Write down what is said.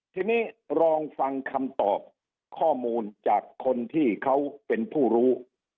ทีนี้ลองฟังคำตอบข้อมูลจากคนที่เขาเป็นผู้รู้